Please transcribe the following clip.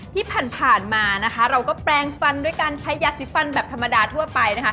ที่ผ่านมานะคะเราก็แปลงฟันด้วยการใช้ยาสีฟันแบบธรรมดาทั่วไปนะคะ